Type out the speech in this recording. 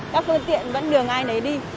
các phương tiện vẫn đường ai nấy đi